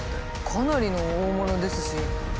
かなりの大物ですし。